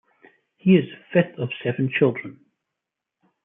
He is the fifth of seven children.